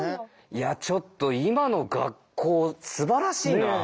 いやちょっと今の学校すばらしいなあ。